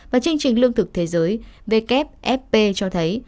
và chương trình lương thực thế giới wfp cho thấy